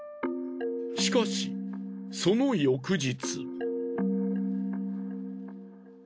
しかしその翌日。